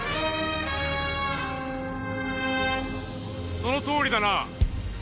そのとおりだな。